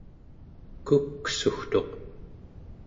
kuksugtuq